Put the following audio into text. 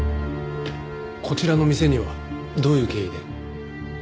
こちらの店にはどういう経緯で？